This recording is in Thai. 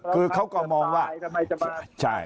คือเขาก็มองว่าใช่